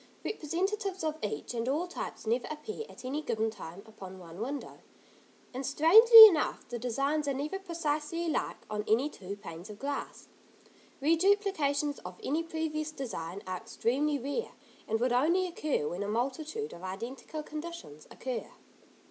Representatives of each and all types never appear at any given time upon one window; and strangely enough the designs are never precisely alike on any two panes of glass. Reduplications of any previous design are extremely rare, and would only occur when a multitude of identical conditions occur.